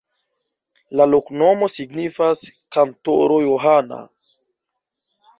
La loknomo signifas: kantoro-Johana.